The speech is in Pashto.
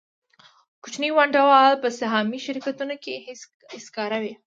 کوچني ونډه وال په سهامي شرکتونو کې هېڅکاره وي